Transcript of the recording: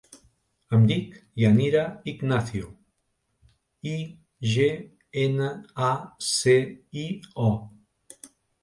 Em dic Yanira Ignacio: i, ge, ena, a, ce, i, o.